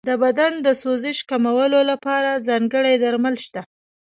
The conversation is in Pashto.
د بدن د سوزش کمولو لپاره ځانګړي درمل شته.